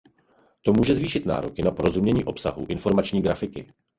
To může zvýšit nároky na porozumění obsahu informační grafiky.